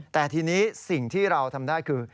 แต่ทีนี้สิ่งที่เราทำได้คือ